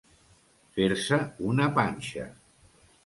Fer-se una panxa.